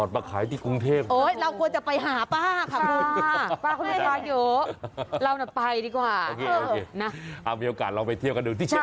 ป้าเหนียวมะม่วงป้าหลอดจ้า